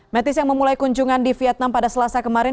mattis yang memulai kunjungan di vietnam pada selasa kemarin